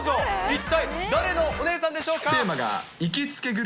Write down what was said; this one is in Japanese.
一体誰のお姉さんでしょうか。